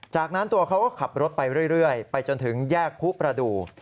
จากนั้นตัวเขาก็ขับรถไปเรื่อยไปจนถึงแยกผู้ประดูก